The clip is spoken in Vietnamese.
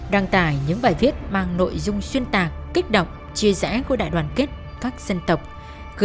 đăng tải những bài viết mang nội dung xuyên tạc kích động chia rẽ của đại đoàn kết các dân tộc